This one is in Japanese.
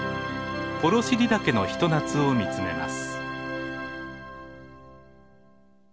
幌尻岳の一夏を見つめます。